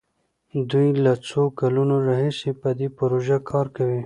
دوی له څو کلونو راهيسې په دې پروژه کار کوي.